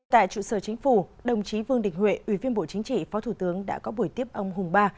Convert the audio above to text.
tại trụ sở chính phủ đồng chí vương đình huệ ủy viên bộ chính trị phó thủ tướng đã có buổi tiếp ông hùng ba